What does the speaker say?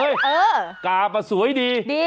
เออกราบสวยดี